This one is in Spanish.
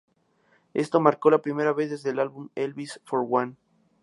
Esto marcó la primera vez desde el álbum "Elvis for Everyone!